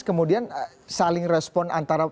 kemudian saling respon antara